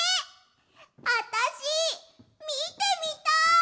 あたしみてみたい！